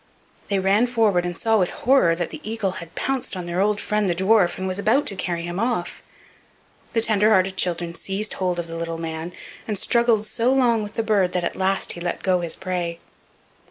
They ran forward, and saw with horror that the eagle had pounced on their old friend the dwarf, and was about to carry him off. The tender hearted children seized hold of the little man, and struggled so long with the bird that at last he let go his prey.